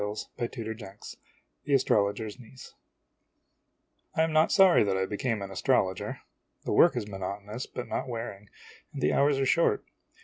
Si^,"' '"" ifff'^' i 'f/'Wii' THE ASTROLOGER'S NIECE I AM not sorry that I became an astrologer. The work is monoto nous but not wearing, and the hours are short.